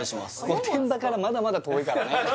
御殿場からまだまだ遠いからね